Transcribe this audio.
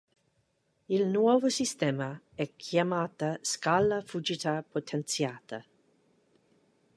Il nuovo sistema è chiamata Scala Fujita Potenziata.